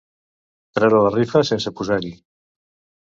Treure la rifa sense posar-hi.